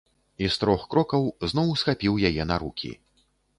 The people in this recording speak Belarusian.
І з трох крокаў зноў схапіў яе на рукі.